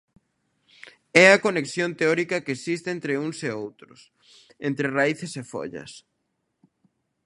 É a conexión teórica que existe entre uns e outros, entre raíces e follas.